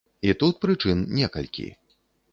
І тут прычын некалькі.